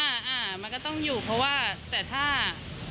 อ่ามันก็ต้องอยู่เพราะว่าแต่ถ้า